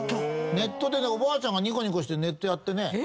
ネットでねおばあちゃんがにこにこしてネットやってね